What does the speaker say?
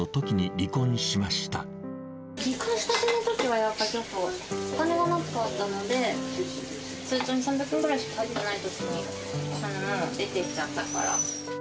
離婚したてのときは、やっぱちょっと、お金がなかったので、通帳に３００円ぐらいしか入っていないときに、出てきちゃったから。